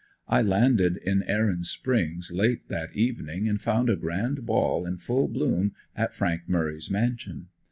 I landed in Erin Springs late that evening and found a grand ball in full bloom at Frank Murry's mansion.